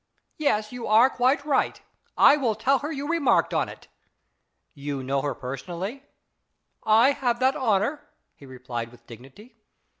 "Yes, you are quite right. I will tell her you remarked on it." " You know her personally ?" "I have that honour," he replied with dignity.